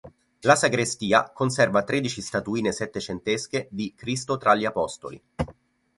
La sagrestia conserva tredici statuine settecentesche di "Cristo tra gli apostoli".